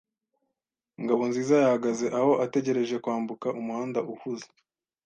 Ngabonziza yahagaze aho, ategereje kwambuka umuhanda uhuze.